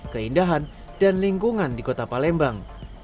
keindahan dan lingkungan di kota palembang